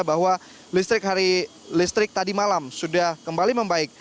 bahwa listrik hari listrik tadi malam sudah kembali membaik